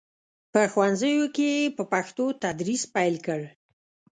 په ښوونځیو کې یې په پښتو تدریس پیل کړ.